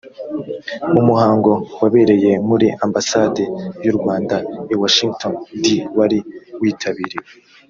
mu muhango wabereye muri ambasade y u rwanda i washington d wari witabiriwe